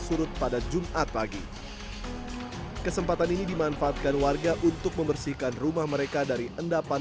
surut pada jumat pagi kesempatan ini dimanfaatkan warga untuk membersihkan rumah mereka dari endapan